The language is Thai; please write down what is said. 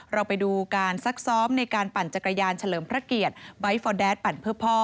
เราไปดูการซักซ้อมในการปั่นจักรยานเฉลิมพระเกียรติไบท์ฟอร์แดดปั่นเพื่อพ่อ